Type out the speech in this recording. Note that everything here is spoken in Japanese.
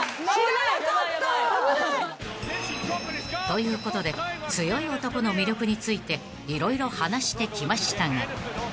［ということで強い男の魅力について色々話してきましたが］